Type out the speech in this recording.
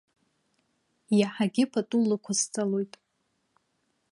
Иаҳагьы пату лықәысҵалоит.